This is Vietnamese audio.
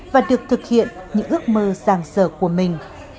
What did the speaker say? và được thực hiện những ước mơ giàng sở của mình